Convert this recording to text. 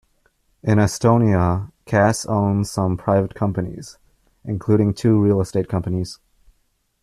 In Estonia, Kass owns some private companies, including two real estate companies.